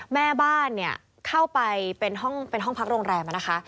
แม่บ้านเข้าไปเป็นห้องพักโรงแรมนะคะ